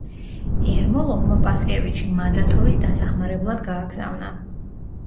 ერმოლოვმა პასკევიჩი მადათოვის დასახმარებლად გააგზავნა.